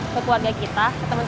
ke keluarga kita ke temen temen kita